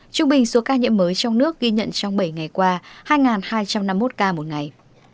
trung bình số ca nhiễm mới trong nước ghi nhận trong bảy ngày qua hai hai trăm năm mươi một ca một ngày